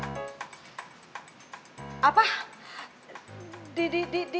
makanya papi butuh keluar cari udara segar